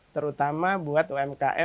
terutama buat umkm